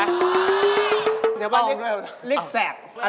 อันนี้ลิกแสก